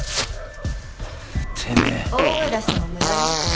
てめえ大声出しても無駄よ